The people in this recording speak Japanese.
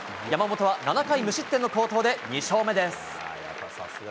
山本は７回無失点の好投で２勝目です！